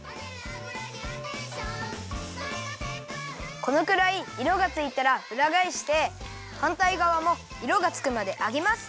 このくらいいろがついたらうらがえしてはんたいがわもいろがつくまで揚げます。